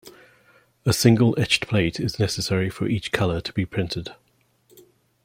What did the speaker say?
A single etched plate is necessary for each color to be printed.